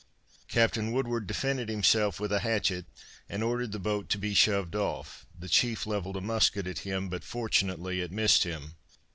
Captain Woodward defended himself with a hatchet and ordered the boat to be shoved off, the chief levelled a musket at him, but fortunately it missed him.